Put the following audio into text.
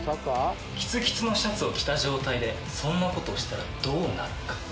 キツキツのシャツを着た状態でそんなことをしたらどうなるか？